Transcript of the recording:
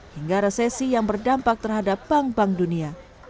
hingga resesi yang berdampak terhadap bank bank dunia